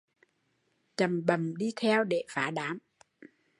Chậm bậm đi theo để phá đám